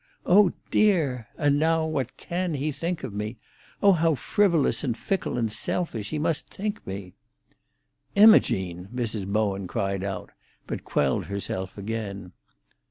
Oh dear! And now, what can he think of me? Oh, how frivolous and fickle and selfish he must think me!" "Imogene!" Mrs. Bowen cried out, but quelled herself again.